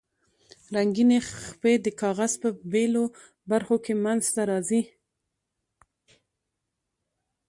رنګینې خپې د کاغذ په بیلو برخو کې منځ ته راځي.